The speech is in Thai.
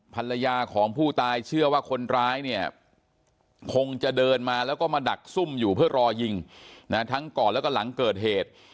ภรรยาของผู้ตายเชื่อว่าคนร้ายเนี่ยคงจะเดินมาแล้วก็มาดักซุ่มอยู่เพื่อรอยิงนะทั้งก่อนแล้วก็หลังเกิดเหตุ